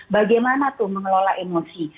bagaimana tuh mengelola emosi